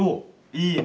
いいね！